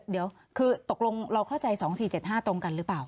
เดี๋ยวคือตกลงเราเข้าใจ๒๔๗๕ตรงกันหรือเปล่า